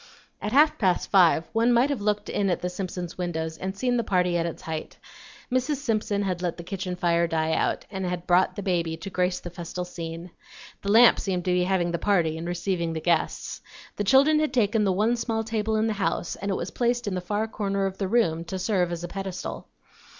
At half past five one might have looked in at the Simpsons' windows, and seen the party at its height. Mrs. Simpson had let the kitchen fire die out, and had brought the baby to grace the festal scene. The lamp seemed to be having the party, and receiving the guests. The children had taken the one small table in the house, and it was placed in the far corner of the room to serve as a pedestal.